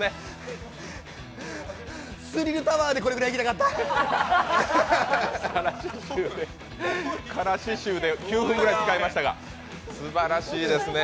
「スリルタワー」でこれぐらいいきたかった辛子シューで９分ぐらい使いましたが、すばらしいですね。